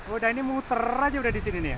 udah ini muter aja udah disini nih ya